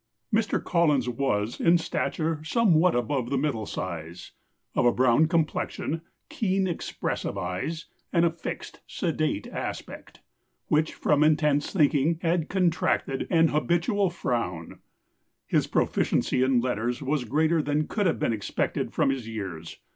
] "Mr. Collins was, in stature, somewhat above the middle size; of a brown complexion, keen expressive eyes, and a fixed sedate aspect, which, from intense thinking, had contracted an habitual frown. His proficiency in letters was greater than could have been expected from his years.